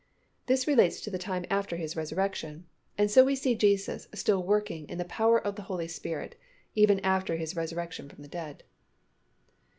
This relates to the time after His resurrection and so we see Jesus still working in the power of the Holy Spirit even after His resurrection from the dead.